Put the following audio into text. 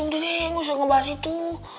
udah deh gak usah ngebahas itu